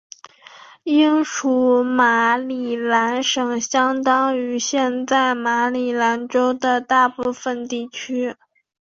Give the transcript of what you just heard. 英属马里兰省相当于现在马里兰州的大部分地区。